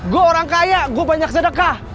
gue orang kaya gue banyak sedekah